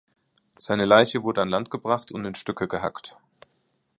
Seine Leiche wurde an Land gebracht und in Stücke gehackt.